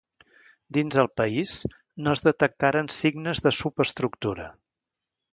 Dins del país, no es detectaren signes de subestructura.